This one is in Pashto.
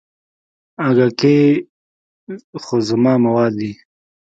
اگه کې خو زما مواد دي.